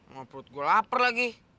ngaprut gue lapar lagi